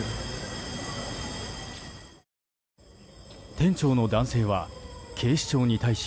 店長の男性は警視庁に対し